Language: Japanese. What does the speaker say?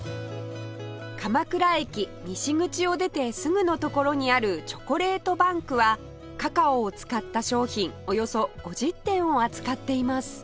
鎌倉駅西口を出てすぐのところにある ＣＨＯＣＯＬＡＴＥＢＡＮＫ はカカオを使った商品およそ５０点を扱っています